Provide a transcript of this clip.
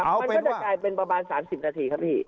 มันก็จะกลายเป็นประมาณ๓๐นาทีครับพี่